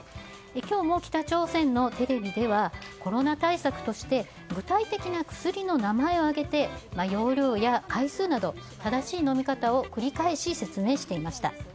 今日も北朝鮮のテレビではコロナ対策として具体的な薬の名前を挙げて容量や回数など正しい飲み方を繰り返し説明していました。